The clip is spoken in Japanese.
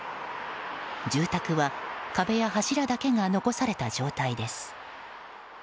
住宅は壁や柱だけが残された状態です。